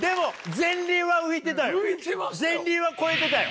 前輪は越えてたよ。